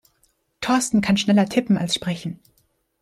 Thorsten kann schneller tippen als sprechen.